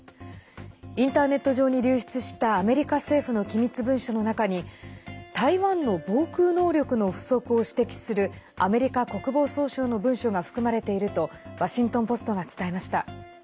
インターネット上に流出したアメリカ政府の機密文書の中に台湾の防空能力の不足を指摘するアメリカ国防総省の文書が含まれているとワシントン・ポストが伝えました。